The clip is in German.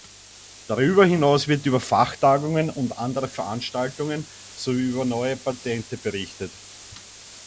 Darüber hinaus wird über Fachtagungen und andere Veranstaltungen, sowie über neue Patente berichtet.